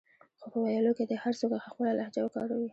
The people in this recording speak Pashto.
خو په ویلو کې دې هر څوک خپله لهجه کاروي